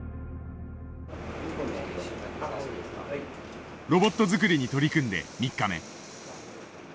ロボット作りに取り組んで３日目。